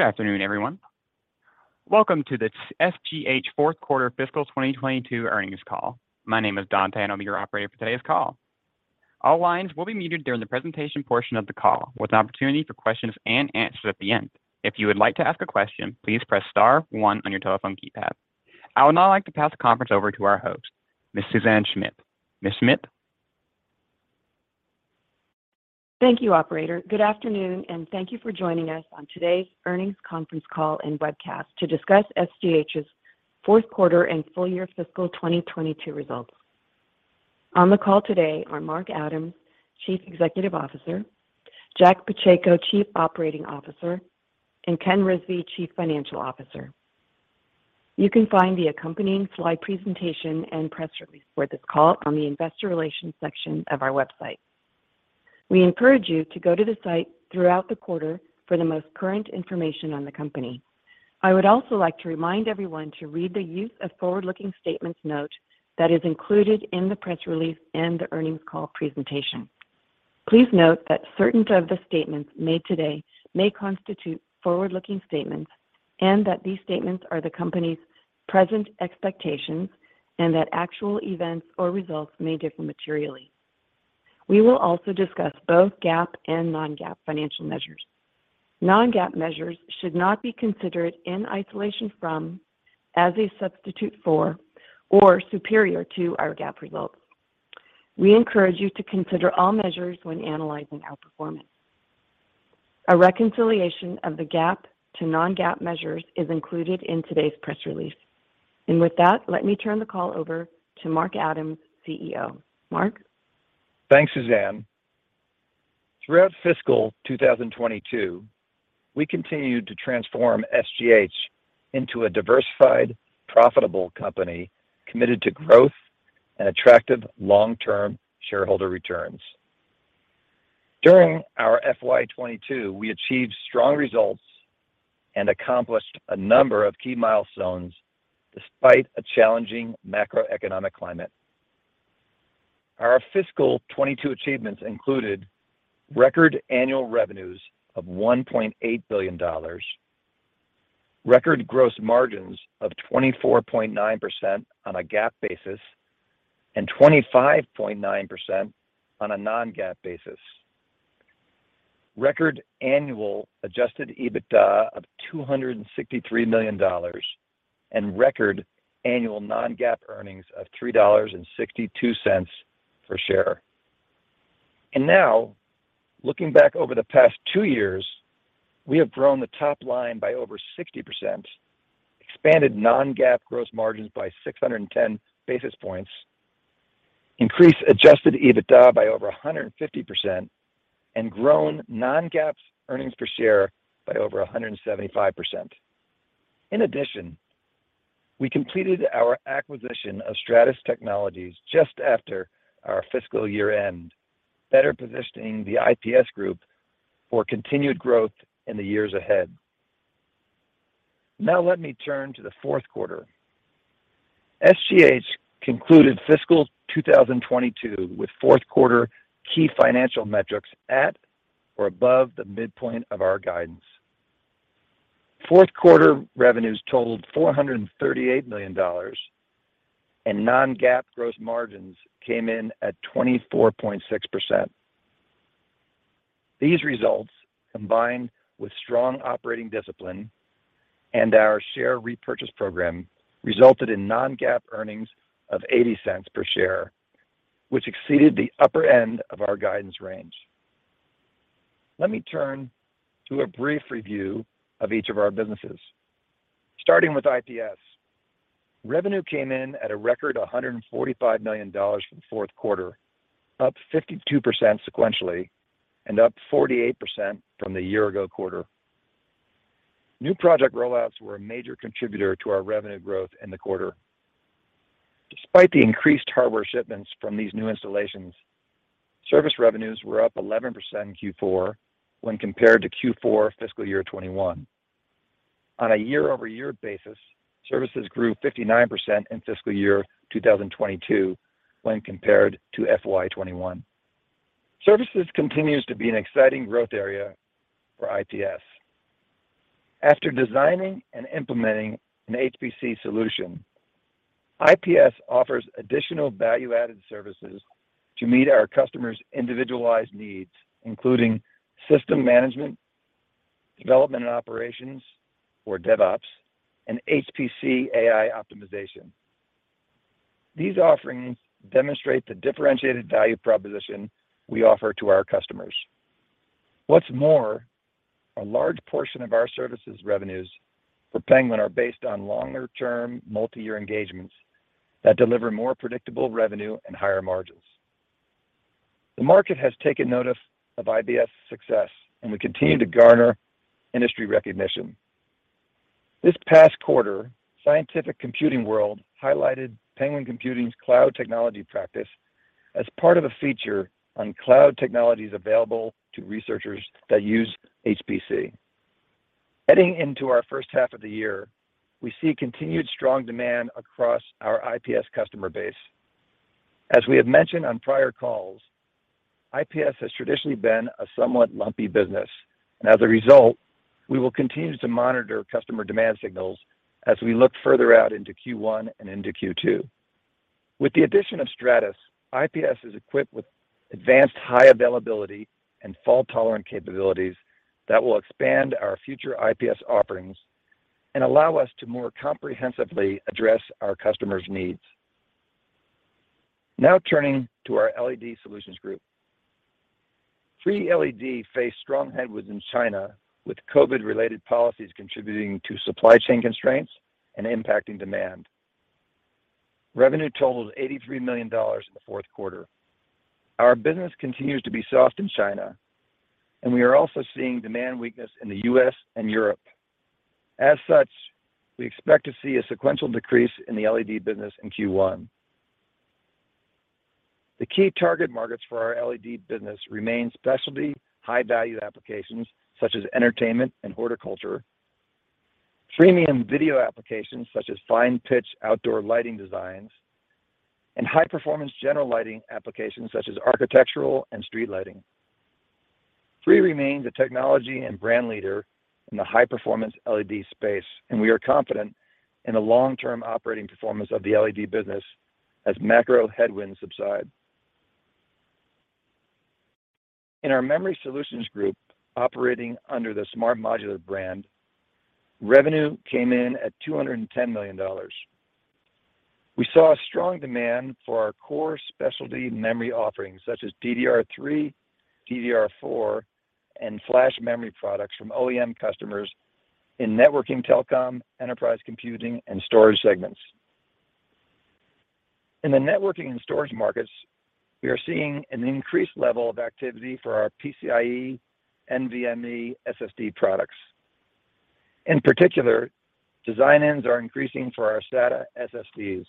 Good afternoon, everyone. Welcome to the SGH fourth quarter fiscal 2022 earnings call. My name is Dante, and I'll be your operator for today's call. All lines will be muted during the presentation portion of the call with an opportunity for questions and answers at the end. If you would like to ask a question, please press star one on your telephone keypad. I would now like to pass the conference over to our host, Ms. Suzanne Schmidt. Ms. Schmidt? Thank you, operator. Good afternoon, and thank you for joining us on today's earnings conference call and webcast to discuss SGH's fourth quarter and full-year fiscal 2022 results. On the call today are Mark Adams, Chief Executive Officer, Jack Pacheco, Chief Operating Officer, and Ken Rizvi, Chief Financial Officer. You can find the accompanying slide presentation and press release for this call on the investor relations section of our website. We encourage you to go to the site throughout the quarter for the most current information on the company. I would also like to remind everyone to read the use of forward-looking statements note that is included in the press release and the earnings call presentation. Please note that certain of the statements made today may constitute forward-looking statements and that these statements are the company's present expectations and that actual events or results may differ materially. We will also discuss both GAAP and non-GAAP financial measures. Non-GAAP measures should not be considered in isolation from, as a substitute for, or superior to our GAAP results. We encourage you to consider all measures when analyzing our performance. A reconciliation of the GAAP to non-GAAP measures is included in today's press release. With that, let me turn the call over to Mark Adams, CEO. Mark? Thanks, Suzanne. Throughout fiscal 2022, we continued to transform SGH into a diversified, profitable company committed to growth and attractive long-term shareholder returns. During our FY 2022, we achieved strong results and accomplished a number of key milestones despite a challenging macroeconomic climate. Our fiscal 2022 achievements included record annual revenues of $1.8 billion, record gross margins of 24.9% on a GAAP basis and 25.9% on a non-GAAP basis. Record annual Adjusted EBITDA of $263 million and record annual non-GAAP earnings of $3.62 per share. Now, looking back over the past two years, we have grown the top line by over 60%, expanded non-GAAP gross margins by 610 basis points, increased Adjusted EBITDA by over 150%, and grown non-GAAP earnings per share by over 175%. In addition, we completed our acquisition of Stratus Technologies just after our fiscal year-end, better positioning the IPS group for continued growth in the years ahead. Now let me turn to the fourth quarter. SGH concluded fiscal 2022 with fourth quarter key financial metrics at or above the midpoint of our guidance. Fourth quarter revenues totaled $438 million, and non-GAAP gross margins came in at 24.6%. These results, combined with strong operating discipline and our share repurchase program, resulted in non-GAAP earnings of $0.80 per share, which exceeded the upper end of our guidance range. Let me turn to a brief review of each of our businesses. Starting with IPS. Revenue came in at a record $145 million for the fourth quarter, up 52% sequentially and up 48% from the year ago quarter. New project rollouts were a major contributor to our revenue growth in the quarter. Despite the increased hardware shipments from these new installations, service revenues were up 11% in Q4 when compared to Q4 fiscal year 2021. On a year-over-year basis, services grew 59% in fiscal year 2022 when compared to FY 2021. Services continues to be an exciting growth area for IPS. After designing and implementing an HPC solution, IPS offers additional value-added services to meet our customers' individualized needs, including system management, development and operations, or DevOps, and HPC AI optimization. These offerings demonstrate the differentiated value proposition we offer to our customers. What's more, a large portion of our services revenues for Penguin are based on longer-term multi-year engagements that deliver more predictable revenue and higher margins. The market has taken notice of IPS success, and we continue to garner industry recognition. This past quarter, Scientific Computing World highlighted Penguin Computing's cloud technology practice as part of a feature on cloud technologies available to researchers that use HPC. Heading into our first half of the year, we see continued strong demand across our IPS customer base. As we have mentioned on prior calls, IPS has traditionally been a somewhat lumpy business, and as a result, we will continue to monitor customer demand signals as we look further out into Q1 and into Q2. With the addition of Stratus, IPS is equipped with advanced high availability and fault-tolerant capabilities that will expand our future IPS offerings and allow us to more comprehensively address our customers' needs. Now turning to our LED Solutions group. Cree LED faced strong headwinds in China, with COVID-related policies contributing to supply chain constraints and impacting demand. Revenue totaled $83 million in the fourth quarter. Our business continues to be soft in China, and we are also seeing demand weakness in the U.S. and Europe. As such, we expect to see a sequential decrease in the LED business in Q1. The key target markets for our LED business remain specialty high-value applications such as entertainment and horticulture, premium video applications such as fine pitch outdoor lighting designs, and high-performance general lighting applications such as architectural and street lighting. Cree remains a technology and brand leader in the high-performance LED space, and we are confident in the long-term operating performance of the LED business as macro headwinds subside. In our Memory Solutions Group, operating under the SMART Modular brand, revenue came in at $210 million. We saw a strong demand for our core specialty memory offerings such as DDR3, DDR4, and flash memory products from OEM customers in networking, telecom, enterprise computing, and storage segments. In the networking and storage markets, we are seeing an increased level of activity for our PCIe NVMe SSD products. In particular, design-ins are increasing for our SATA SSDs.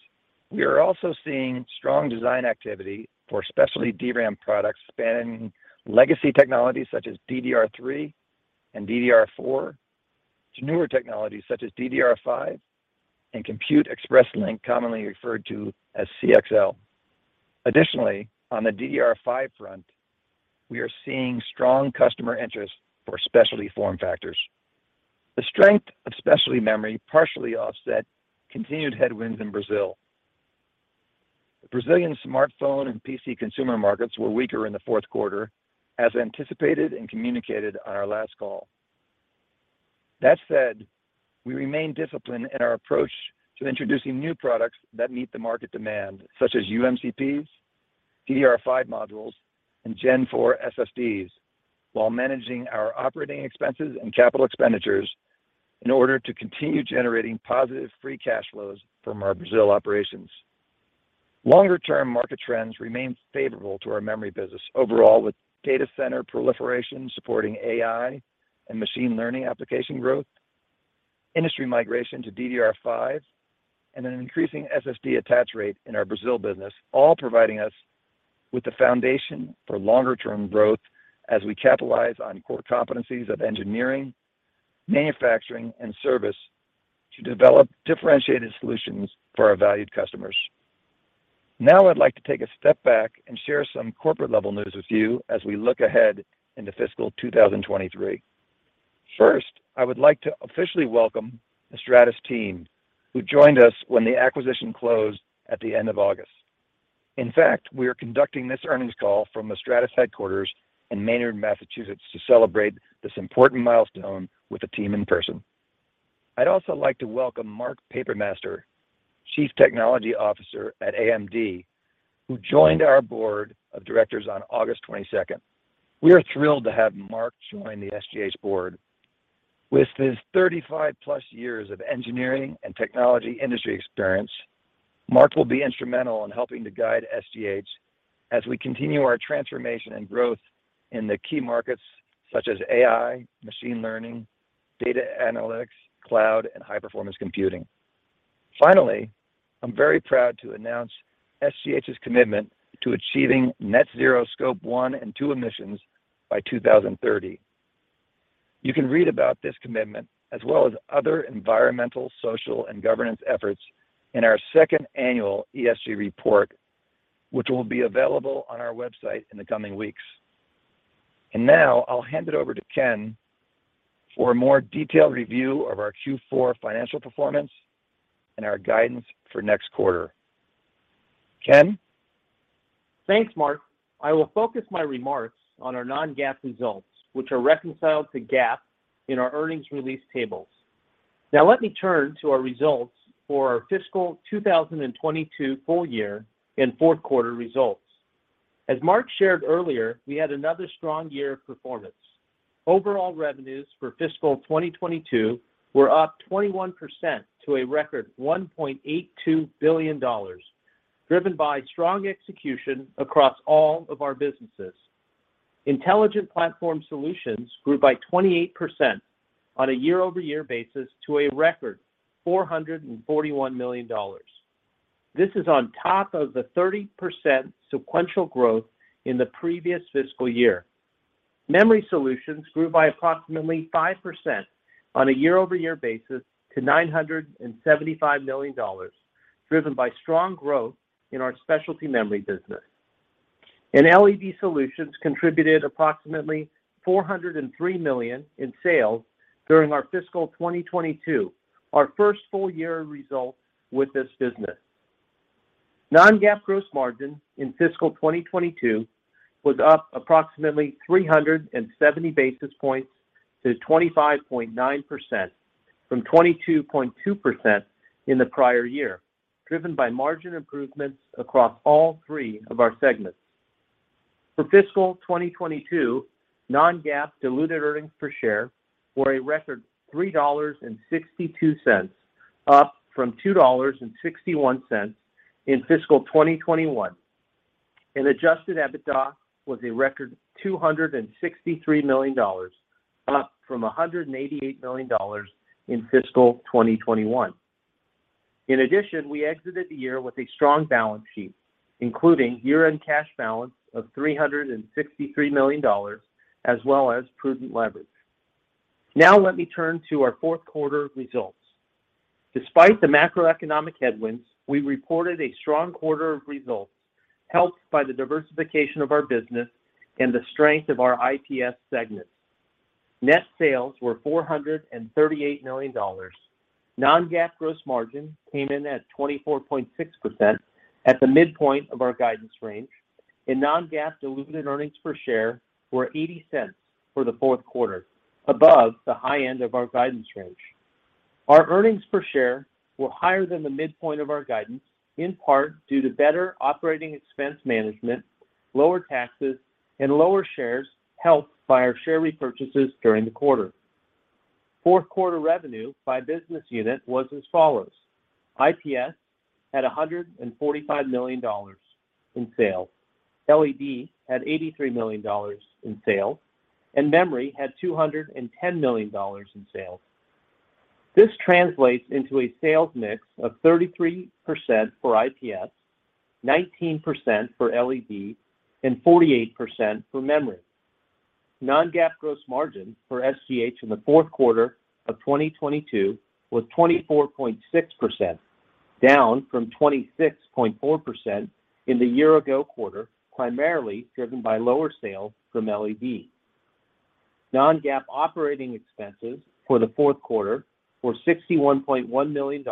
We are also seeing strong design activity for specialty DRAM products spanning legacy technologies such as DDR3 and DDR4 to newer technologies such as DDR5 and Compute Express Link, commonly referred to as CXL. Additionally, on the DDR5 front, we are seeing strong customer interest for specialty form factors. The strength of specialty memory partially offset continued headwinds in Brazil. The Brazilian smartphone and PC consumer markets were weaker in the fourth quarter as anticipated and communicated on our last call. That said, we remain disciplined in our approach to introducing new products that meet the market demand, such as UMCPs, DDR5 modules, and Gen4 SSDs while managing our operating expenses and capital expenditures in order to continue generating positive free cash flows from our Brazil operations. Longer-term market trends remain favorable to our memory business overall, with data center proliferation supporting AI and machine learning application growth, industry migration to DDR5, and an increasing SSD attach rate in our Brazil business, all providing us with the foundation for longer-term growth as we capitalize on core competencies of engineering, manufacturing, and service to develop differentiated solutions for our valued customers. Now I'd like to take a step back and share some corporate-level news with you as we look ahead into fiscal 2023. First, I would like to officially welcome the Stratus team, who joined us when the acquisition closed at the end of August. In fact, we are conducting this earnings call from the Stratus headquarters in Maynard, Massachusetts, to celebrate this important milestone with the team in person. I'd also like to welcome Mark Papermaster, Chief Technology Officer at AMD, who joined our board of directors on August 22nd. We are thrilled to have Mark join the SGH board. With his 35+ years of engineering and technology industry experience, Mark will be instrumental in helping to guide SGH as we continue our transformation and growth in the key markets such as AI, machine learning, data analytics, cloud, and high-performance computing. Finally, I'm very proud to announce SGH's commitment to achieving net zero Scope 1 and 2 emissions by 2030. You can read about this commitment, as well as other environmental, social, and governance efforts in our second annual ESG report, which will be available on our website in the coming weeks. Now I'll hand it over to Ken for a more detailed review of our Q4 financial performance and our guidance for next quarter. Ken? Thanks, Mark. I will focus my remarks on our non-GAAP results, which are reconciled to GAAP in our earnings release tables. Now let me turn to our results for our fiscal 2022 full year and fourth quarter results. As Mark shared earlier, we had another strong year of performance. Overall revenues for fiscal 2022 were up 21% to a record $1.82 billion, driven by strong execution across all of our businesses. Intelligent Platform Solutions grew by 28% on a year-over-year basis to a record $441 million. This is on top of the 30% sequential growth in the previous fiscal year. Memory Solutions grew by approximately 5% on a year-over-year basis to $975 million, driven by strong growth in our specialty memory business. LED Solutions contributed approximately $403 million in sales during our fiscal 2022, our first full year results with this business. Non-GAAP gross margin in fiscal 2022 was up approximately 370 basis points to 25.9% from 22.2% in the prior year, driven by margin improvements across all three of our segments. For fiscal 2022, non-GAAP diluted earnings per share were a record $3.62, up from $2.61 in fiscal 2021. Adjusted EBITDA was a record $263 million, up from $188 million in fiscal 2021. In addition, we exited the year with a strong balance sheet, including year-end cash balance of $363 million, as well as prudent leverage. Now let me turn to our fourth quarter results. Despite the macroeconomic headwinds, we reported a strong quarter of results, helped by the diversification of our business and the strength of our IPS segment. Net sales were $438 million. Non-GAAP gross margin came in at 24.6% at the midpoint of our guidance range, and non-GAAP diluted earnings per share were $0.80 for the fourth quarter, above the high end of our guidance range. Our earnings per share were higher than the midpoint of our guidance, in part due to better operating expense management, lower taxes, and lower shares helped by our share repurchases during the quarter. Fourth quarter revenue by business unit was as follows: IPS had $145 million in sales, LED had $83 million in sales, and Memory had $210 million in sales. This translates into a sales mix of 33% for IPS, 19% for LED, and 48% for Memory. Non-GAAP gross margin for SGH in the fourth quarter of 2022 was 24.6%, down from 26.4% in the year ago quarter, primarily driven by lower sales from LED. Non-GAAP operating expenses for the fourth quarter were $61.1 million,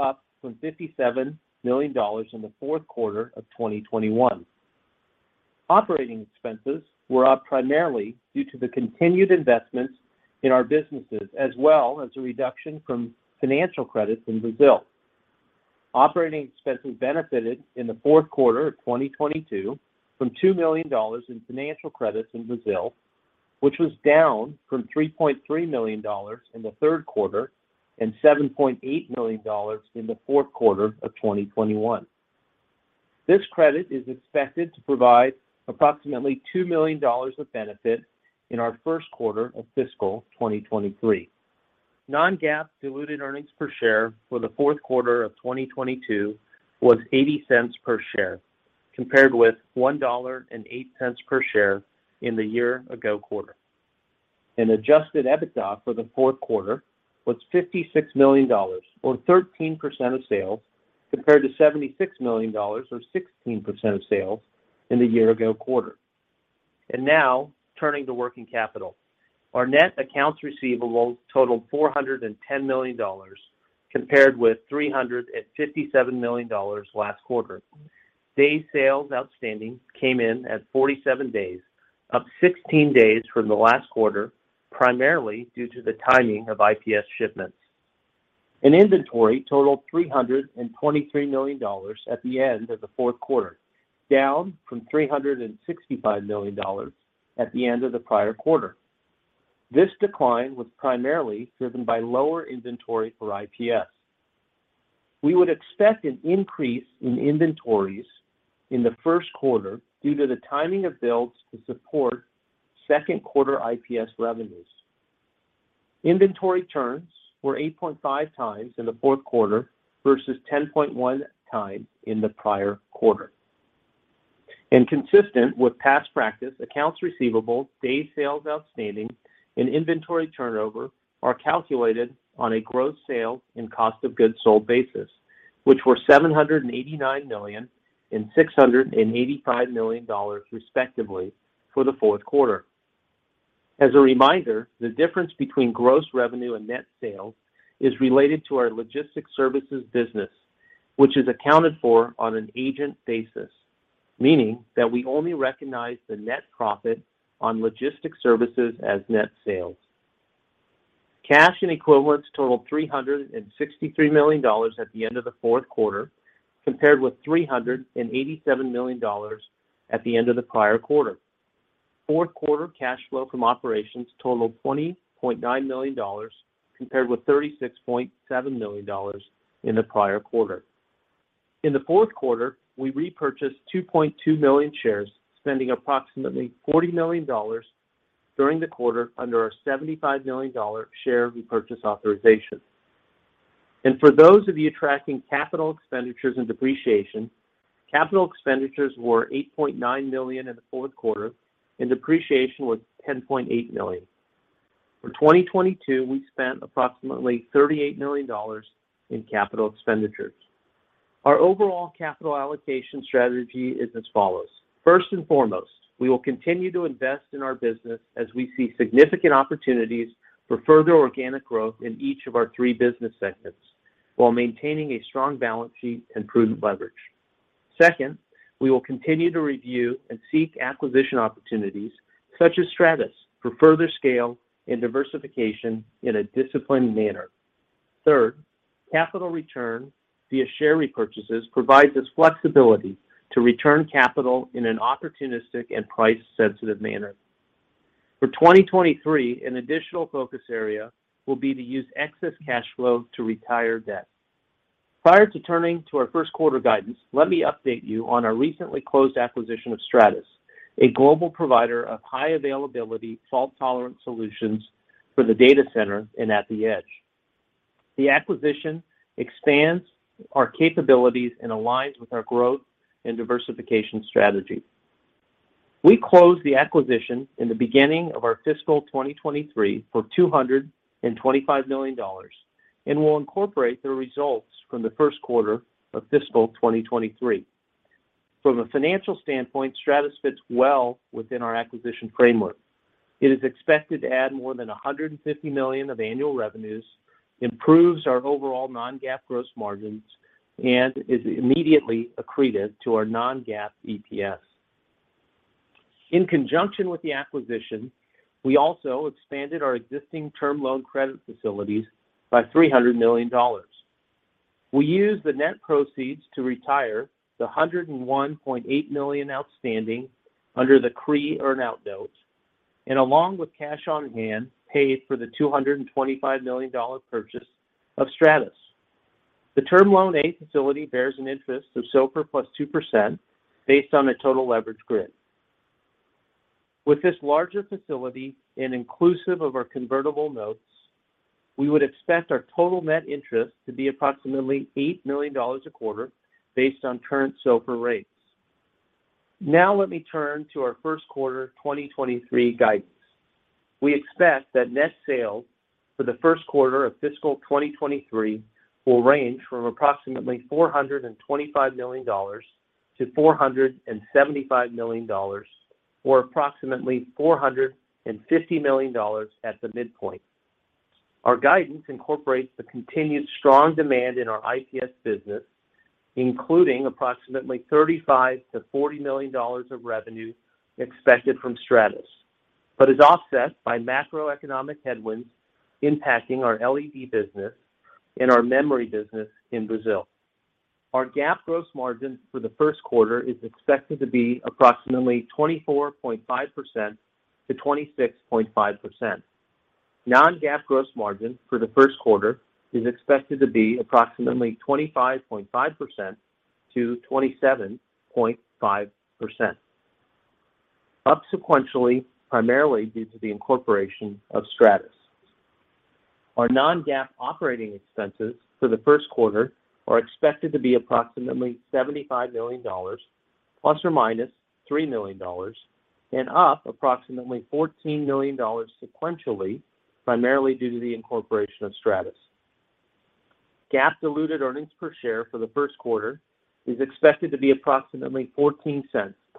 up from $57 million in the fourth quarter of 2021. Operating expenses were up primarily due to the continued investments in our businesses as well as a reduction from financial credits in Brazil. Operating expenses benefited in the fourth quarter of 2022 from $2 million in financial credits in Brazil, which was down from $3.3 million in the third quarter and $7.8 million in the fourth quarter of 2021. This credit is expected to provide approximately $2 million of benefit in our first quarter of fiscal 2023. Non-GAAP diluted earnings per share for the fourth quarter of 2022 was $0.80 per share, compared with $1.08 per share in the year ago quarter. Adjusted EBITDA for the fourth quarter was $56 million, or 13% of sales, compared to $76 million or 16% of sales in the year ago quarter. Now turning to working capital. Our net accounts receivable totaled $410 million, compared with $357 million last quarter. Day sales outstanding came in at 47 days, up 16 days from the last quarter, primarily due to the timing of IPS shipments. Inventory totaled $323 million at the end of the fourth quarter, down from $365 million at the end of the prior quarter. This decline was primarily driven by lower inventory for IPS. We would expect an increase in inventories in the first quarter due to the timing of builds to support second quarter IPS revenues. Inventory turns were 8.5x in the fourth quarter versus 10.1x in the prior quarter. Consistent with past practice, accounts receivable, day sales outstanding, and inventory turnover are calculated on a gross sales and cost of goods sold basis, which were $789 million and $685 million, respectively, for the fourth quarter. As a reminder, the difference between gross revenue and net sales is related to our logistics services business, which is accounted for on an agent basis, meaning that we only recognize the net profit on logistics services as net sales. Cash and equivalents totaled $363 million at the end of the fourth quarter, compared with $387 million at the end of the prior quarter. Fourth quarter cash flow from operations totaled $20.9 million, compared with $36.7 million in the prior quarter. In the fourth quarter, we repurchased 2.2 million shares, spending approximately $40 million during the quarter under our $75 million share repurchase authorization. For those of you tracking capital expenditures and depreciation, capital expenditures were $8.9 million in the fourth quarter, and depreciation was $10.8 million. For 2022, we spent approximately $38 million in capital expenditures. Our overall capital allocation strategy is as follows. First and foremost, we will continue to invest in our business as we see significant opportunities for further organic growth in each of our three business segments while maintaining a strong balance sheet and prudent leverage. Second, we will continue to review and seek acquisition opportunities such as Stratus for further scale and diversification in a disciplined manner. Third, capital return via share repurchases provides us flexibility to return capital in an opportunistic and price-sensitive manner. For 2023, an additional focus area will be to use excess cash flow to retire debt. Prior to turning to our first quarter guidance, let me update you on our recently closed acquisition of Stratus, a global provider of high availability, fault-tolerant solutions for the data center and at the edge. The acquisition expands our capabilities and aligns with our growth and diversification strategy. We closed the acquisition in the beginning of our fiscal 2023 for $225 million, and we'll incorporate the results from the first quarter of fiscal 2023. From a financial standpoint, Stratus fits well within our acquisition framework. It is expected to add more than $150 million of annual revenues, improves our overall non-GAAP gross margins, and is immediately accretive to our non-GAAP EPS. In conjunction with the acquisition, we also expanded our existing term loan credit facilities by $300 million. We used the net proceeds to retire the $101.8 million outstanding under the Cree earn-out notes, and along with cash on hand, paid for the $225 million purchase of Stratus. The Term Loan A facility bears an interest of SOFR +2% based on the total leverage grid. With this larger facility and inclusive of our convertible notes, we would expect our total net interest to be approximately $8 million a quarter based on current SOFR rates. Now let me turn to our first quarter 2023 guidance. We expect that net sales for the first quarter of fiscal 2023 will range from approximately $425 million-$475 million, or approximately $450 million at the midpoint. Our guidance incorporates the continued strong demand in our IPS business, including approximately $35 million-$40 million of revenue expected from Stratus, but is offset by macroeconomic headwinds impacting our LED business and our memory business in Brazil. Our GAAP gross margin for the first quarter is expected to be approximately 24.5%-26.5%. Non-GAAP gross margin for the first quarter is expected to be approximately 25.5%-27.5%, up sequentially, primarily due to the incorporation of Stratus. Our non-GAAP operating expenses for the first quarter are expected to be approximately $75 million ± $3 million, and up approximately $14 million sequentially, primarily due to the incorporation of Stratus. GAAP diluted earnings per share for the first quarter is expected to be approximately $0.14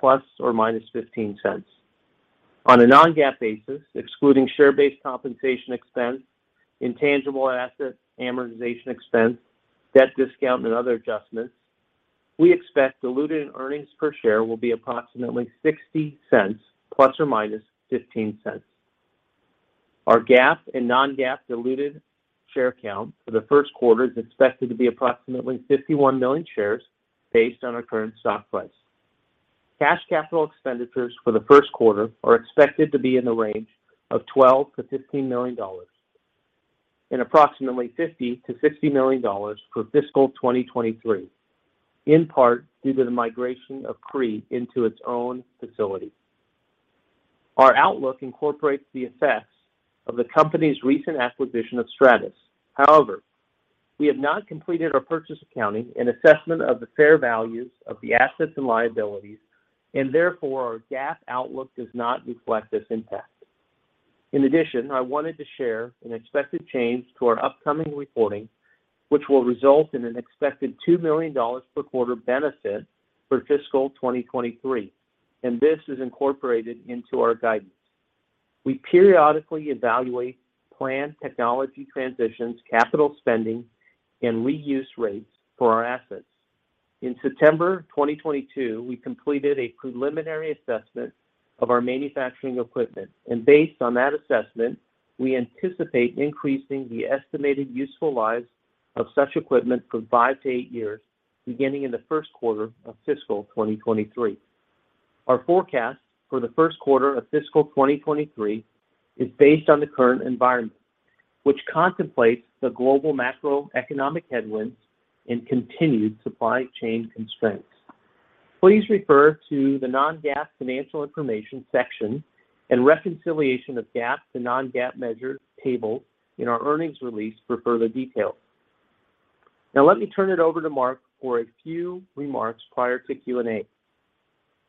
± $0.15. On a non-GAAP basis, excluding share-based compensation expense, intangible asset amortization expense, debt discount, and other adjustments, we expect diluted earnings per share will be approximately $0.60 ± $0.15. Our GAAP and non-GAAP diluted share count for the first quarter is expected to be approximately 51 million shares based on our current stock price. Cash capital expenditures for the first quarter are expected to be in the range million of $12-$15 million and approximately $50 million-$60 million for fiscal 2023, in part due to the migration of Cree into its own facility. Our outlook incorporates the effects of the company's recent acquisition of Stratus. However, we have not completed our purchase accounting and assessment of the fair values of the assets and liabilities, and therefore our GAAP outlook does not reflect this impact. In addition, I wanted to share an expected change to our upcoming reporting, which will result in an expected $2 million per quarter benefit for fiscal 2023, and this is incorporated into our guidance. We periodically evaluate planned technology transitions, capital spending, and reuse rates for our assets. In September 2022, we completed a preliminary assessment of our manufacturing equipment, and based on that assessment, we anticipate increasing the estimated useful lives of such equipment from 5 to 8 years, beginning in the first quarter of fiscal 2023. Our forecast for the first quarter of fiscal 2023 is based on the current environment, which contemplates the global macroeconomic headwinds and continued supply chain constraints. Please refer to the non-GAAP financial information section and reconciliation of GAAP to non-GAAP measure table in our earnings release for further details. Now let me turn it over to Mark for a few remarks prior to Q&A.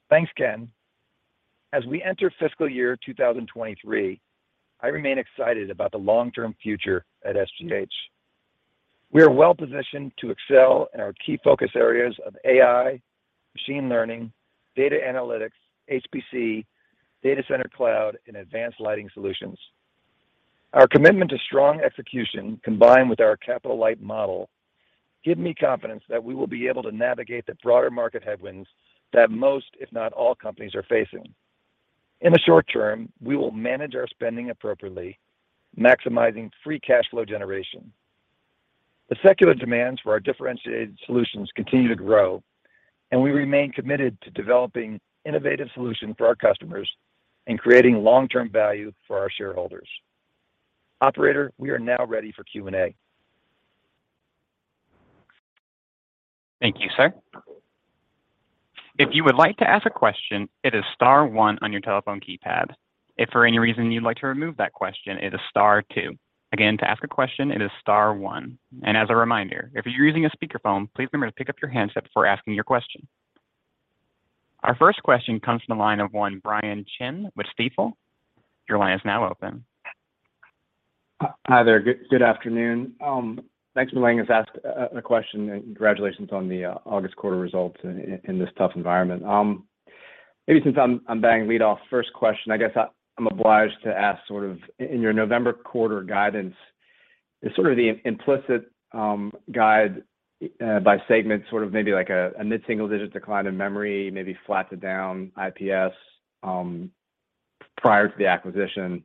Thanks, Ken. As we enter fiscal year 2023, I remain excited about the long-term future at SGH. We are well positioned to excel in our key focus areas of AI, machine learning, data analytics, HPC, data center cloud, and advanced lighting solutions. Our commitment to strong execution, combined with our capital-light model, give me confidence that we will be able to navigate the broader market headwinds that most, if not all, companies are facing. In the short term, we will manage our spending appropriately, maximizing free cash flow generation. The secular demands for our differentiated solutions continue to grow, and we remain committed to developing innovative solutions for our customers and creating long-term value for our shareholders. Operator, we are now ready for Q&A. Thank you, sir. If you would like to ask a question, it is star one on your telephone keypad. If for any reason you'd like to remove that question, it is star two. Again, to ask a question, it is star one. As a reminder, if you're using a speakerphone, please remember to pick up your handset before asking your question. Our first question comes from the line of Brian Chin with Stifel. Your line is now open. Hi there. Good afternoon. Thanks for letting us ask a question, and congratulations on the August quarter results in this tough environment. Maybe since I'm batting leadoff, first question, I guess I'm obliged to ask sort of in your November quarter guidance is sort of the implicit guide by segment, sort of maybe like a mid-single digit decline in memory, maybe flat to down IPS, prior to the acquisition,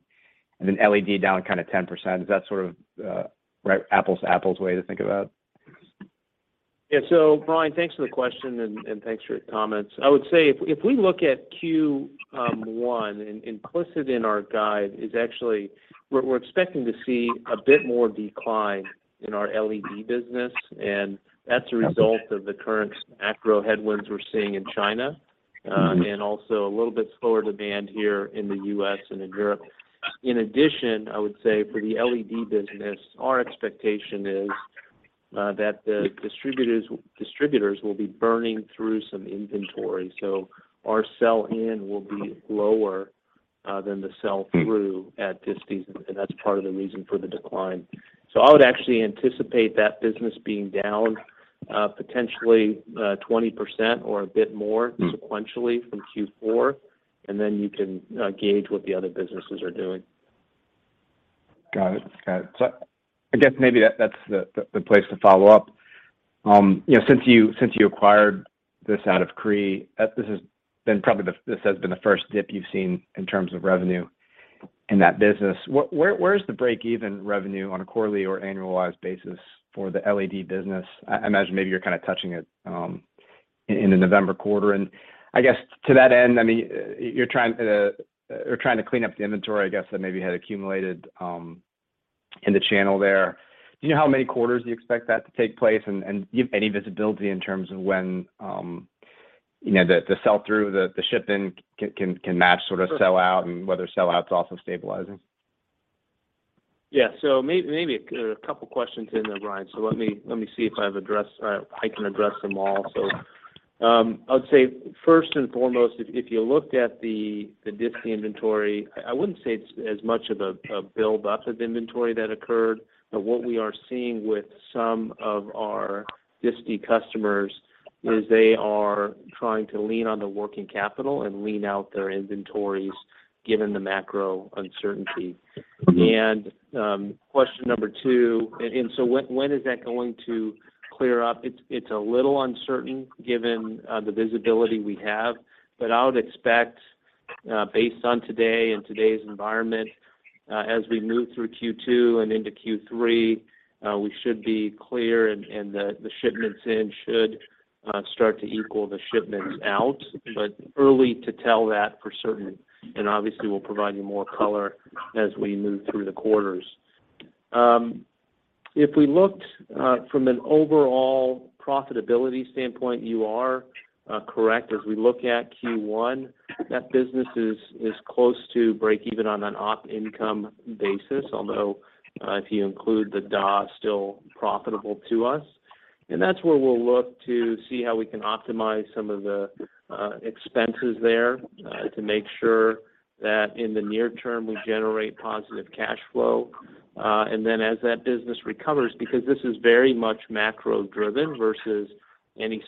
and then LED down kind of 10%. Is that sort of right apples-to-apples way to think about? Yeah. Brian, thanks for the question and thanks for your comments. I would say if we look at Q1, implicit in our guide is actually we're expecting to see a bit more decline in our LED business, and that's a result of the current macro headwinds we're seeing in China and also a little bit slower demand here in the U.S. and in Europe. In addition, I would say for the LED business, our expectation is that the distributors will be burning through some inventory, so our sell-in will be lower than the sell-through at this season, and that's part of the reason for the decline. I would actually anticipate that business being down potentially 20% or a bit more sequentially from Q4, and then you can gauge what the other businesses are doing. Got it. I guess maybe that's the place to follow up. You know, since you acquired this out of Cree, this has been probably the first dip you've seen in terms of revenue in that business. Where's the break even revenue on a quarterly or annualized basis for the LED business? I imagine maybe you're kind of touching it in the November quarter. I guess to that end, I mean, you're trying to clean up the inventory, I guess, that maybe had accumulated in the channel there. Do you know how many quarters you expect that to take place? Do you have any visibility in terms of when, you know, the sell-through, the ship-in can match sort of sell-out and whether sell-out's also stabilizing? Yeah. Maybe a couple questions in there, Brian. Let me see if I've addressed or I can address them all. I would say first and foremost, if you looked at the distie inventory, I wouldn't say it's as much of a build-up of inventory that occurred. What we are seeing with some of our distie customers is they are trying to lean on the working capital and lean out their inventories given the macro uncertainty. Mm-hmm. Question number two, and so when is that going to clear up? It's a little uncertain given the visibility we have. I would expect, based on today and today's environment, as we move through Q2 and into Q3, we should be clear, and the shipments in should start to equal the shipments out. It's early to tell that for certain, and obviously we'll provide you more color as we move through the quarters. If we looked from an overall profitability standpoint, you are correct. As we look at Q1, that business is close to break even on an op income basis, although if you include the D&A, still profitable to us. That's where we'll look to see how we can optimize some of the expenses there to make sure that in the near term we generate positive cash flow. Then as that business recovers, because this is very much macro-driven versus any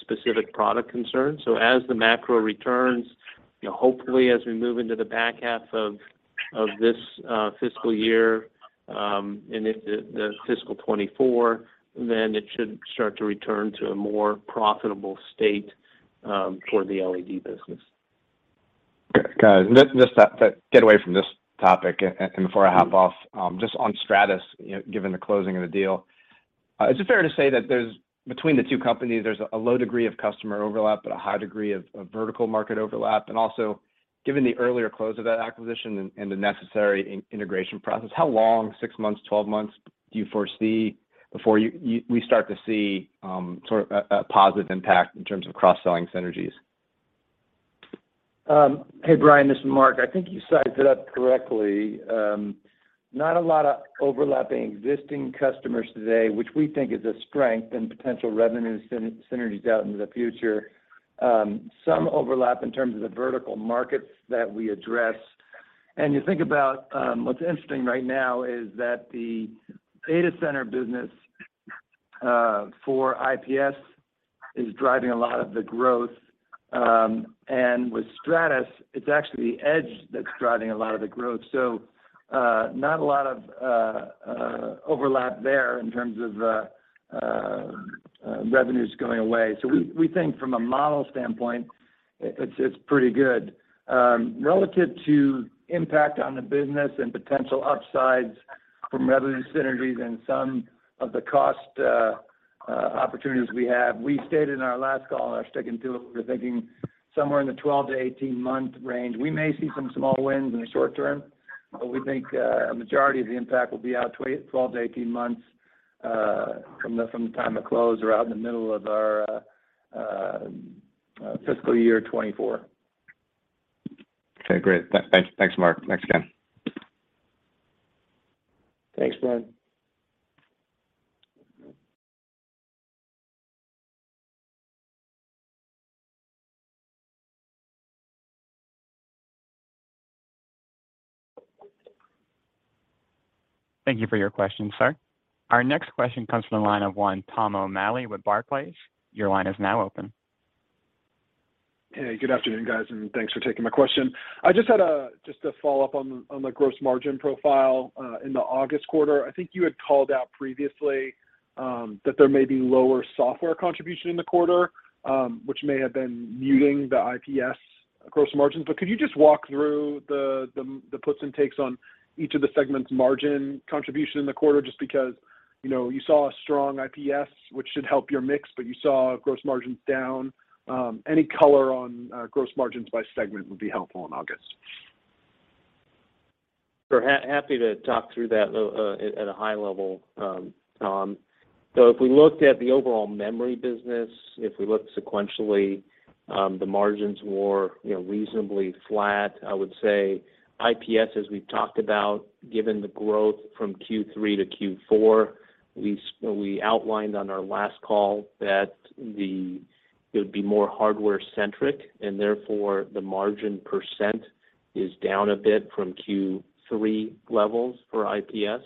specific product concern. As the macro returns, you know, hopefully as we move into the back half of this fiscal year and into the fiscal 2024, then it should start to return to a more profitable state for the LED business. Got it. Let's just get away from this topic and before I hop off, just on Stratus, you know, given the closing of the deal, is it fair to say that between the two companies, there's a low degree of customer overlap, but a high degree of vertical market overlap? Also, given the earlier close of that acquisition and the necessary integration process, how long, six months, 12 months, do you foresee before you we start to see sort of a positive impact in terms of cross-selling synergies? Hey, Brian, this is Mark. I think you sized it up correctly. Not a lot of overlapping existing customers today, which we think is a strength and potential revenue synergies out into the future. Some overlap in terms of the vertical markets that we address. You think about, what's interesting right now is that the data center business for IPS is driving a lot of the growth. With Stratus, it's actually edge that's driving a lot of the growth. Not a lot of overlap there in terms of revenues going away. We think from a model standpoint, it's pretty good. Relative to impact on the business and potential upsides from revenue synergies and some of the cost opportunities we have, we stated in our last call, and I'll stick to it, we're thinking somewhere in the 12-18-month range. We may see some small wins in the short term, but we think a majority of the impact will be out 12-18 months from the time of close or out in the middle of our fiscal year 2024. Okay, great. Thanks, Mark. Thanks again. Thanks, Brian. Thank you for your question, sir. Our next question comes from the line of Tom O'Malley with Barclays. Your line is now open. Hey, good afternoon, guys, and thanks for taking my question. I just had a follow-up on the gross margin profile in the August quarter. I think you had called out previously that there may be lower software contribution in the quarter, which may have been muting the IPS gross margins. Could you just walk through the puts and takes on each of the segments margin contribution in the quarter just because, you know, you saw a strong IPS, which should help your mix, but you saw gross margins down. Any color on gross margins by segment would be helpful in August. Sure. Happy to talk through that at a high level, Tom. If we looked at the overall memory business, if we look sequentially, the margins were, you know, reasonably flat. I would say IPS, as we've talked about, given the growth from Q3 to Q4, we outlined on our last call that it would be more hardware-centric, and therefore the margin percent is down a bit from Q3 levels for IPS.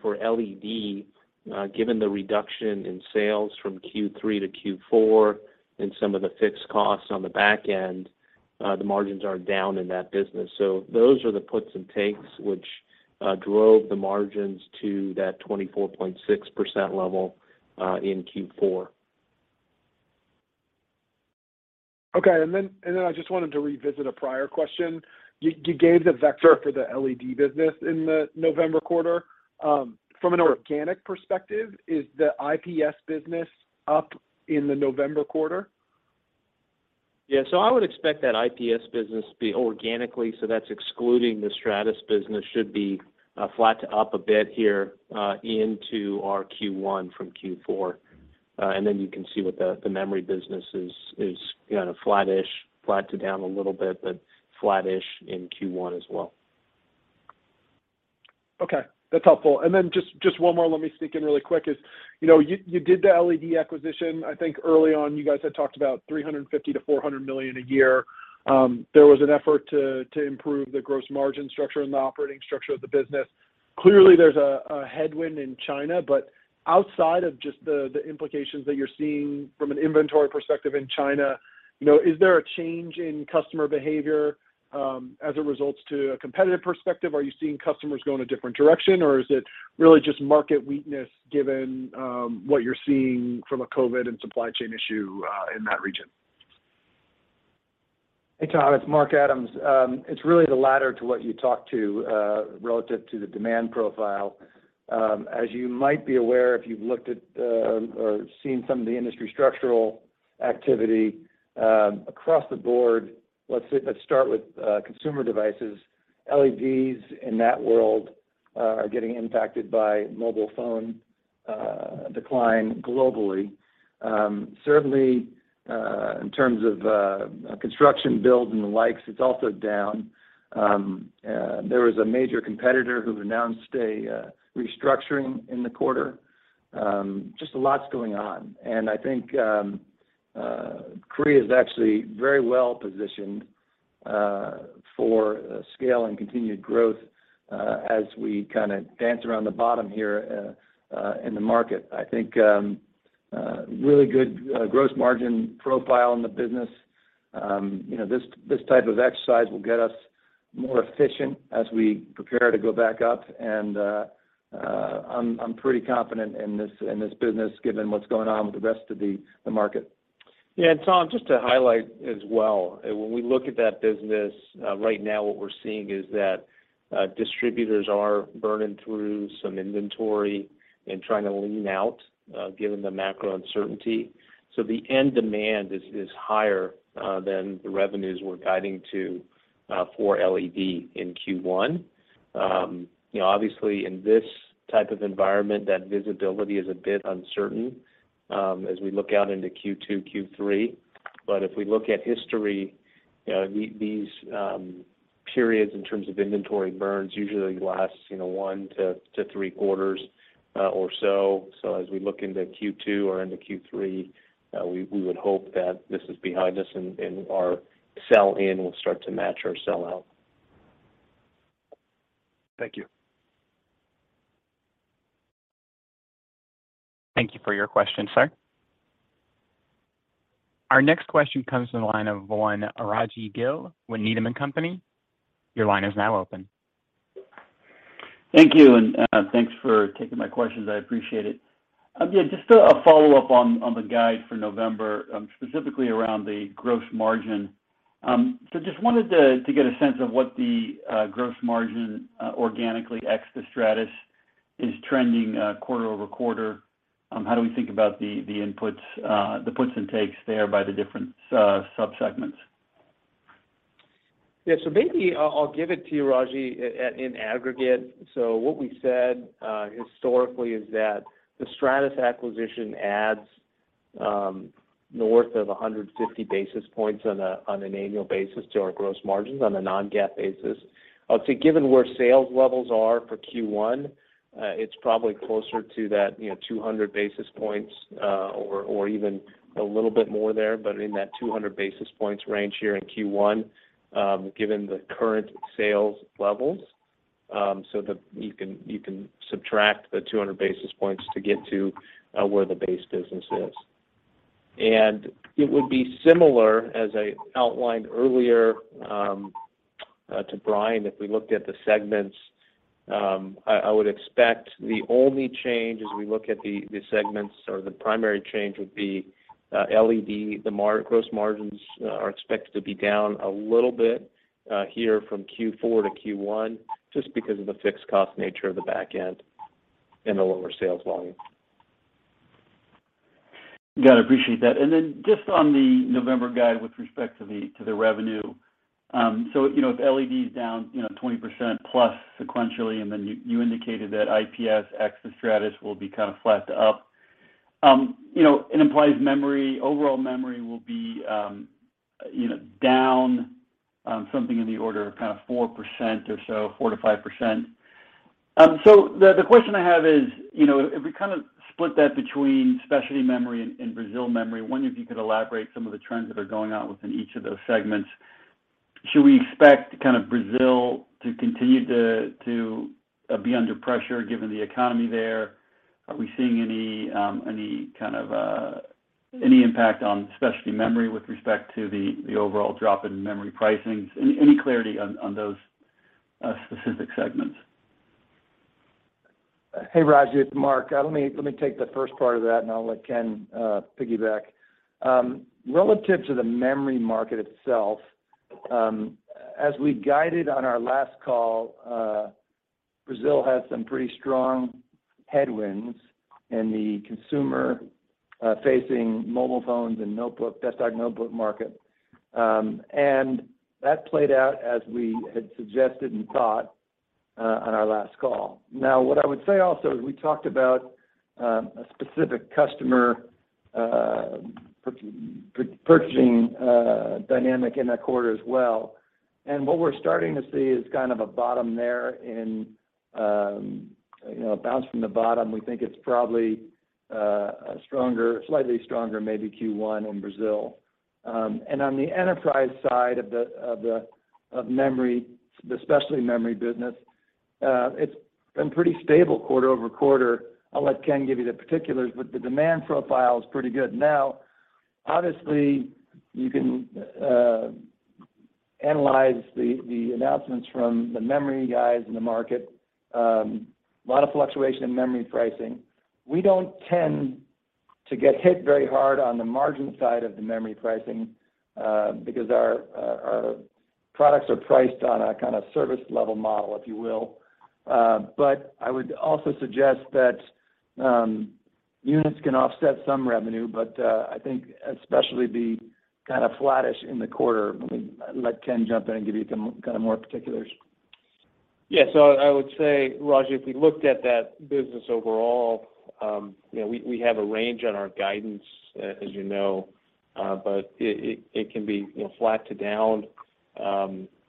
For LED, given the reduction in sales from Q3 to Q4 and some of the fixed costs on the back end, the margins are down in that business. Those are the puts and takes which drove the margins to that 24.6% level in Q4. Okay. I just wanted to revisit a prior question. You gave the vector for the LED business in the November quarter. From an organic perspective, is the IPS business up in the November quarter? Yeah, I would expect that IPS business to be organically, that's excluding the Stratus business, should be flat to up a bit here into our Q1 from Q4. Then you can see what the memory business is, you know, flat-ish, flat to down a little bit, but flat-ish in Q1 as well. Okay, that's helpful. Then just one more, let me sneak in really quick is, you know, you did the LED acquisition. I think early on, you guys had talked about $350 million-$400 million a year. There was an effort to improve the gross margin structure and the operating structure of the business. Clearly, there's a headwind in China, but outside of just the implications that you're seeing from an inventory perspective in China, you know, is there a change in customer behavior, as it relates to a competitive perspective? Are you seeing customers go in a different direction, or is it really just market weakness given what you're seeing from COVID and supply chain issue in that region? Hey, Tom, it's Mark Adams. It's really the latter to what you talked to relative to the demand profile. As you might be aware, if you've looked at or seen some of the industry structural activity across the board, let's start with consumer devices. LEDs in that world are getting impacted by mobile phone decline globally. Certainly in terms of construction build and the likes, it's also down. There was a major competitor who announced a restructuring in the quarter. Just a lot's going on. I think Cree is actually very well-positioned for scale and continued growth as we kinda dance around the bottom here in the market. I think really good gross margin profile in the business. You know, this type of exercise will get us more efficient as we prepare to go back up, and I'm pretty confident in this business given what's going on with the rest of the market. Yeah. Tom, just to highlight as well, when we look at that business, right now what we're seeing is that distributors are burning through some inventory and trying to lean out given the macro uncertainty. The end demand is higher than the revenues we're guiding to for LED in Q1. You know, obviously in this type of environment, that visibility is a bit uncertain as we look out into Q2, Q3. If we look at history, you know, these periods in terms of inventory burns usually lasts one to three quarters or so. As we look into Q2 or into Q3, we would hope that this is behind us and our sell in will start to match our sell out. Thank you. Thank you for your question, sir. Our next question comes from the line of Rajvindra Gill with Needham & Company. Your line is now open. Thank you, and thanks for taking my questions. I appreciate it. Yeah, just a follow-up on the guide for November, specifically around the gross margin. Just wanted to get a sense of what the gross margin organically ex the Stratus is trending quarter-over-quarter. How do we think about the inputs, the puts and takes there by the different subsegments? Yeah. Maybe I'll give it to you, Rajvi, in aggregate. What we said historically is that the Stratus acquisition adds north of 150 basis points on an annual basis to our gross margins on a non-GAAP basis. I would say, given where sales levels are for Q1, it's probably closer to that, you know, 200 basis points, or even a little bit more there, but in that 200 basis points range here in Q1, given the current sales levels. You can subtract the 200 basis points to get to where the base business is. It would be similar, as I outlined earlier, to Brian, if we looked at the segments, I would expect the only change as we look at the segments or the primary change would be LED. Gross margins are expected to be down a little bit here from Q4 to Q1, just because of the fixed cost nature of the back end and the lower sales volume. Yeah, I appreciate that. Just on the November guide with respect to the revenue. You know, if LED is down 20%+ sequentially, and then you indicated that IPS ex the Stratus will be kind of flat to up, you know, it implies memory, overall memory will be you know, down something in the order of kind of 4% or so, 4%-5%. The question I have is, you know, if we kind of split that between specialty memory and Brazil memory, I wonder if you could elaborate some of the trends that are going on within each of those segments. Should we expect kind of Brazil to continue to be under pressure given the economy there? Are we seeing any kind of impact on specialty memory with respect to the overall drop in memory pricing? Any clarity on those specific segments. Hey, Rajvi, it's Mark. Let me take the first part of that, and I'll let Ken piggyback. Relative to the memory market itself, as we guided on our last call, Brazil had some pretty strong headwinds in the consumer-facing mobile phones and desktop notebook market. That played out as we had suggested and thought, on our last call. Now, what I would say also is we talked about a specific customer purchasing dynamic in that quarter as well. What we're starting to see is kind of a bottom there and, you know, a bounce from the bottom. We think it's probably a stronger, slightly stronger maybe Q1 in Brazil. On the enterprise side of the memory, the specialty memory business, it's been pretty stable quarter-over-quarter. I'll let Ken give you the particulars, but the demand profile is pretty good. Now, obviously, you can analyze the announcements from the memory guys in the market. A lot of fluctuation in memory pricing. We don't tend to get hit very hard on the margin side of the memory pricing, because our products are priced on a kind of service level model, if you will. I would also suggest that units can offset some revenue, but I think it'll be kind of flattish in the quarter. Let Ken jump in and give you some more particulars. Yeah. I would say, Rajvi, if we looked at that business overall, you know, we have a range on our guidance as you know, but it can be, you know, flat to down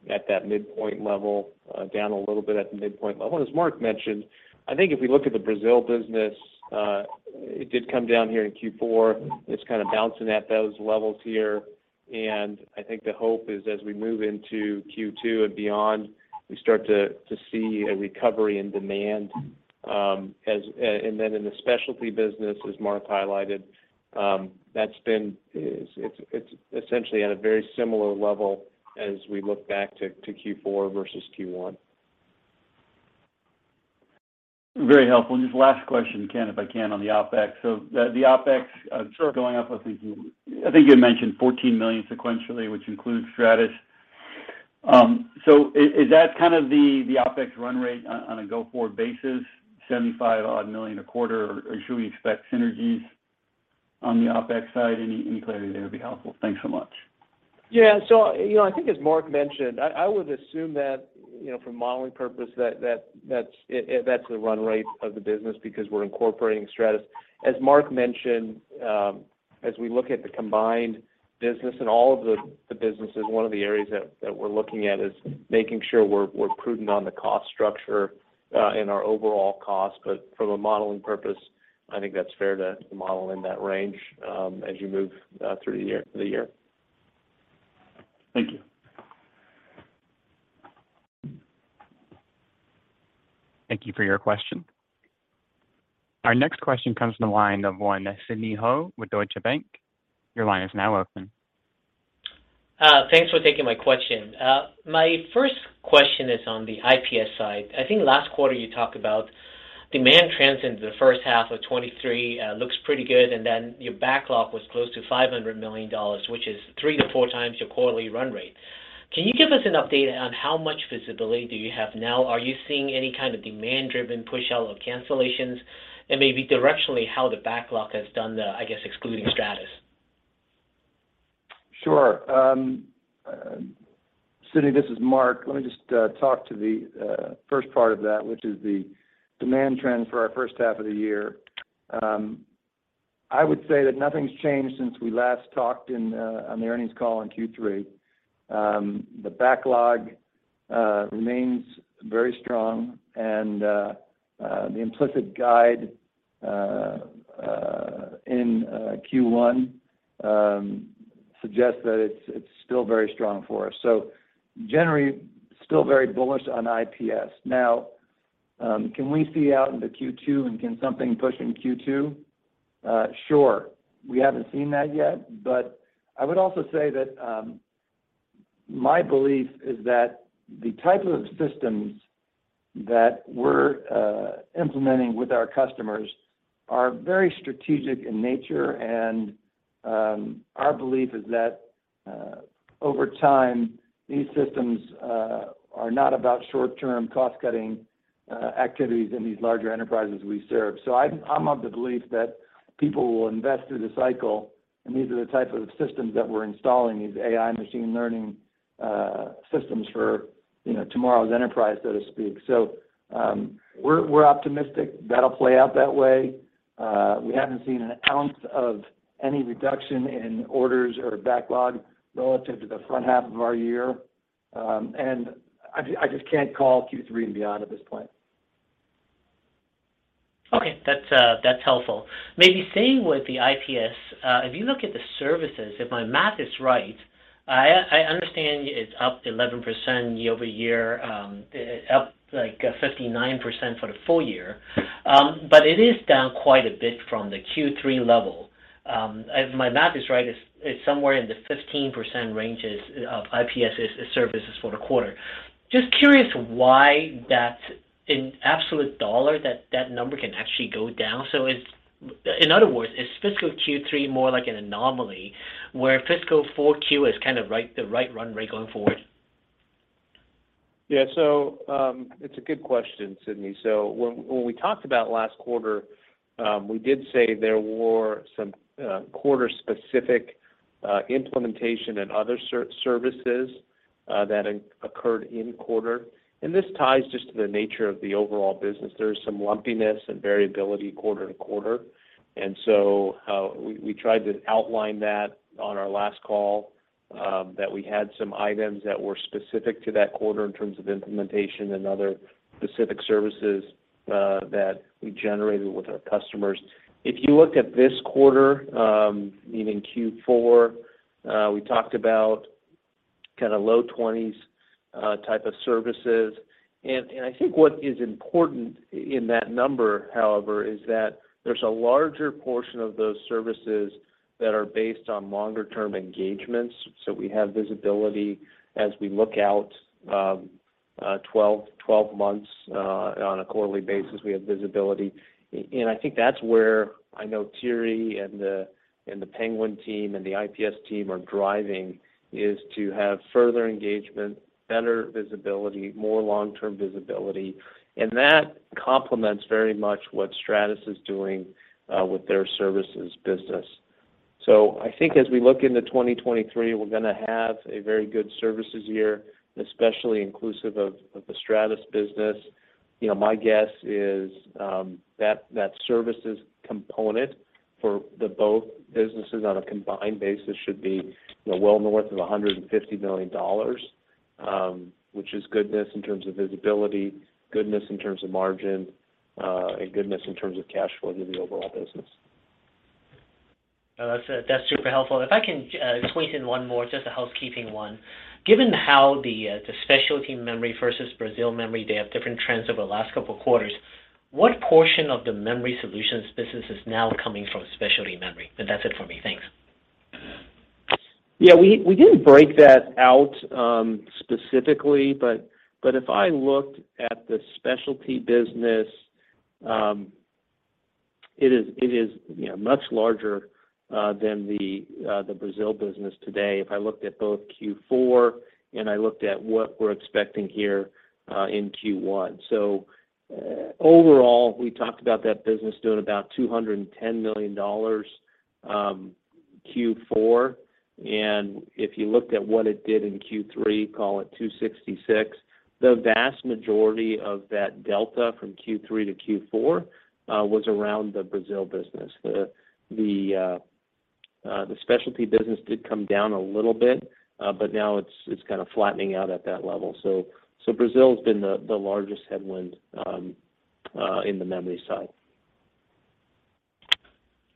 at that midpoint level, down a little bit at the midpoint level. As Mark mentioned, I think if we look at the Brazil business, it did come down here in Q4. It's kind of bouncing at those levels here. I think the hope is as we move into Q2 and beyond, we start to see a recovery in demand, and then in the specialty business, as Mark highlighted, it's essentially at a very similar level as we look back to Q4 versus Q1. Very helpful. Just last question, Ken, if I can, on the OpEx. The OpEx- Sure. Going up, I think you had mentioned $14 million sequentially, which includes Stratus. Is that kind of the OpEx run rate on a go-forward basis, $75 odd million a quarter? Or should we expect synergies on the OpEx side? Any clarity there would be helpful. Thanks so much. Yeah. I think as Mark mentioned, I would assume that, you know, for modeling purpose that that's the run rate of the business because we're incorporating Stratus. As Mark mentioned, as we look at the combined business and all of the businesses, one of the areas that we're looking at is making sure we're prudent on the cost structure and our overall cost. From a modeling purpose, I think that's fair to model in that range, as you move through the year. Thank you. Thank you for your question. Our next question comes from the line of Sidney Ho with Deutsche Bank. Your line is now open. Thanks for taking my question. My first question is on the IPS side. I think last quarter you talked about demand trends into the first half of 2023, looks pretty good, and then your backlog was close to $500 million, which is 3-4 times your quarterly run rate. Can you give us an update on how much visibility do you have now? Are you seeing any kind of demand-driven pushout or cancellations? Maybe directionally, how the backlog has done the, I guess, excluding Stratus. Sure. Sidney, this is Mark. Let me just talk to the first part of that, which is the demand trend for our first half of the year. I would say that nothing's changed since we last talked in on the earnings call in Q3. The backlog remains very strong and the implicit guide in Q1 suggests that it's still very strong for us. Generally, still very bullish on IPS. Now, can we see out into Q2 and can something push in Q2? Sure. We haven't seen that yet, but I would also say that my belief is that the type of systems that we're implementing with our customers are very strategic in nature, and our belief is that over time, these systems are not about short-term cost-cutting activities in these larger enterprises we serve. I'm of the belief that people will invest through the cycle, and these are the type of systems that we're installing, these AI machine learning systems for, you know, tomorrow's enterprise, so to speak. We're optimistic that'll play out that way. We haven't seen an ounce of any reduction in orders or backlog relative to the front half of our year. I just can't call Q3 and beyond at this point. Okay. That's helpful. Maybe staying with the IPS, if you look at the services, if my math is right, I understand it's up 11% year-over-year, up like 59% for the full year, but it is down quite a bit from the Q3 level. If my math is right, it's somewhere in the 15% range of IPS services for the quarter. Just curious why that in absolute dollar that number can actually go down. In other words, is fiscal Q3 more like an anomaly where fiscal 4Q is kind of the right run rate going forward? Yeah. It's a good question, Sidney. When we talked about last quarter, we did say there were some quarter-specific implementation and other services that occurred in quarter. This ties just to the nature of the overall business. There is some lumpiness and variability quarter to quarter. We tried to outline that on our last call, that we had some items that were specific to that quarter in terms of implementation and other specific services that we generated with our customers. If you looked at this quarter, meaning Q4, we talked about kinda low 20s type of services. I think what is important in that number, however, is that there's a larger portion of those services that are based on longer term engagements. We have visibility as we look out 12 months on a quarterly basis. We have visibility. And I think that's where I know Thierry and the Penguin team and the IPS team are driving is to have further engagement, better visibility, more long-term visibility, and that complements very much what Stratus is doing with their services business. I think as we look into 2023, we're gonna have a very good services year, especially inclusive of the Stratus business. You know, my guess is that services component for the both businesses on a combined basis should be you know, well north of $150 million, which is goodness in terms of visibility, goodness in terms of margin, and goodness in terms of cash flow to the overall business. No, that's super helpful. If I can squeeze in one more, just a housekeeping one. Given how the specialty memory versus Brazil memory, they have different trends over the last couple of quarters, what portion of the Memory Solutions business is now coming from specialty memory? That's it for me. Thanks. Yeah. We didn't break that out specifically, but if I looked at the specialty business, it is, you know, much larger than the Brazil business today, if I looked at both Q4 and I looked at what we're expecting here in Q1. Overall, we talked about that business doing about $210 million. If you looked at what it did in Q3, call it $266. The vast majority of that delta from Q3 to Q4 was around the Brazil business. The specialty business did come down a little bit, but now it's kinda flattening out at that level. Brazil's been the largest headwind in the memory side.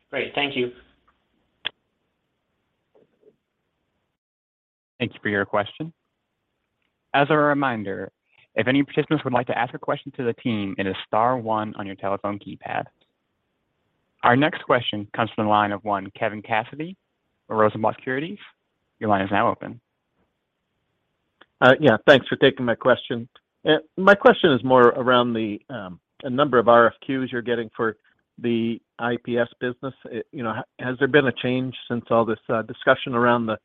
Great. Thank you. Thank you for your question. As a reminder, if any participants would like to ask a question to the team, it is star one on your telephone keypad. Our next question comes from the line of Kevin Cassidy of Rosenblatt Securities. Your line is now open. Yeah, thanks for taking my question. My question is more around a number of RFQs you're getting for the IPS business. You know, has there been a change since all this discussion around the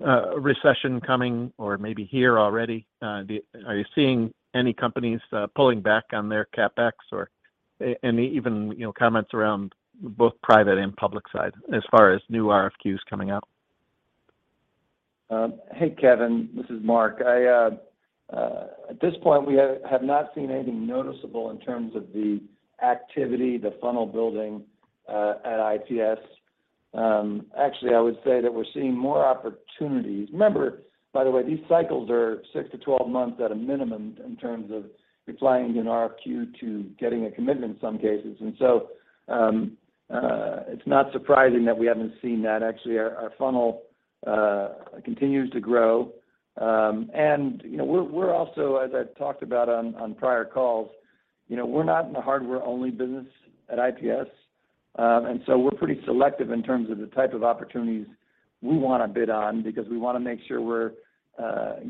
recession coming or maybe here already? Are you seeing any companies pulling back on their CapEx or any even comments around both private and public side as far as new RFQs coming out? Hey, Kevin. This is Mark. I at this point we have not seen anything noticeable in terms of the activity, the funnel building at IPS. Actually, I would say that we're seeing more opportunities. Remember, by the way, these cycles are 6-12 months at a minimum in terms of replying an RFQ to getting a commitment in some cases. It's not surprising that we haven't seen that. Actually, our funnel continues to grow. You know, we're also, as I've talked about on prior calls, you know, we're not in the hardware-only business at IPS. We're pretty selective in terms of the type of opportunities we wanna bid on because we wanna make sure we're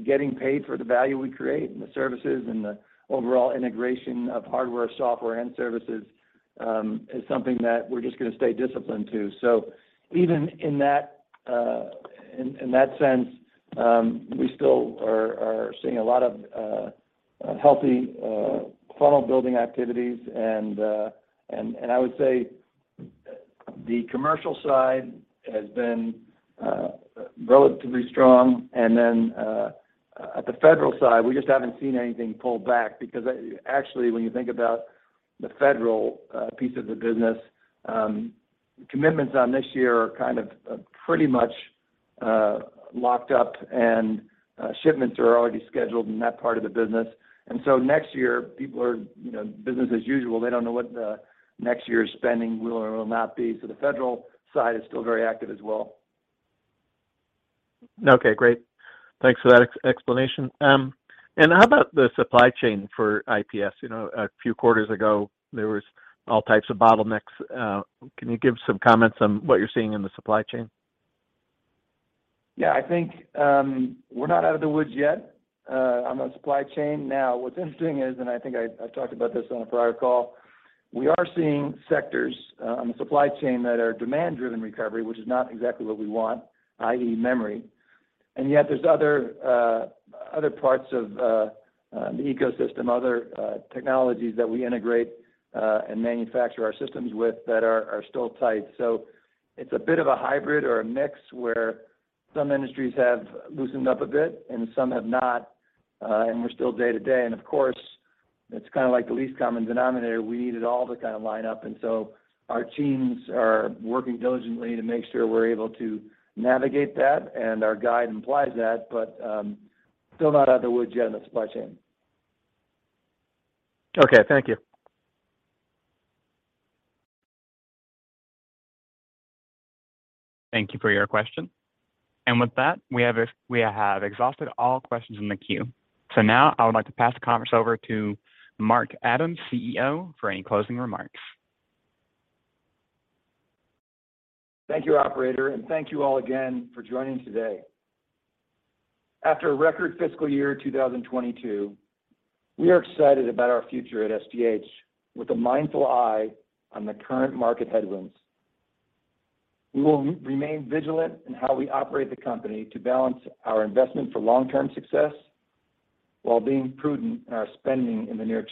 getting paid for the value we create, and the services, and the overall integration of hardware, software, and services is something that we're just gonna stay disciplined to. Even in that sense, we still are seeing a lot of healthy funnel-building activities, and I would say the commercial side has been relatively strong. Then, at the federal side, we just haven't seen anything pull back because actually, when you think about the federal piece of the business, commitments on this year are kind of pretty much locked up and shipments are already scheduled in that part of the business. Next year, people are, you know, business as usual. They don't know what the next year's spending will or will not be. The federal side is still very active as well. Okay, great. Thanks for that explanation. How about the supply chain for IPS? You know, a few quarters ago, there was all types of bottlenecks. Can you give some comments on what you're seeing in the supply chain? Yeah. I think we're not out of the woods yet on the supply chain. Now, what's interesting is I think I talked about this on a prior call. We are seeing sectors supply chain that are demand-driven recovery, which is not exactly what we want, i.e. memory. Yet there's other parts of the ecosystem, other technologies that we integrate and manufacture our systems with that are still tight. It's a bit of a hybrid or a mix where some industries have loosened up a bit and some have not. We're still day to day. Of course, it's kinda like the least common denominator. We need it all to kinda line up. Our teams are working diligently to make sure we're able to navigate that, and our guide implies that. Still not out of the woods yet on the supply chain. Okay, thank you. Thank you for your question. With that, we have exhausted all questions in the queue. Now I would like to pass the conference over to Mark Adams, CEO, for any closing remarks. Thank you, operator, and thank you all again for joining today. After a record fiscal year, 2022, we are excited about our future at SGH with a mindful eye on the current market headwinds. We will remain vigilant in how we operate the company to balance our investment for long-term success while being prudent in our spending in the near term.